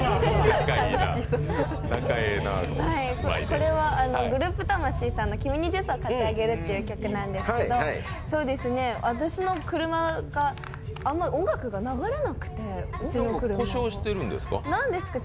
これはグループ魂さんの「君にジュースを買ってあげる」という曲なんですけど、うちの車があんまり音楽が流れなくて、故障してるんですか？